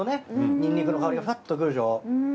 ニンニクの香りがふわっと来るでしょ？